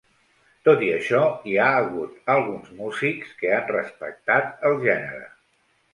Tot i això, hi ha hagut alguns músics que han respectat el gènere.